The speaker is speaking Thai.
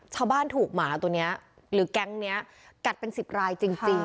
ชาวบ้านถูกหมาตัวนี้หรือแก๊งนี้กัดเป็น๑๐รายจริง